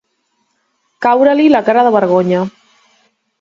Caure-li la cara de vergonya.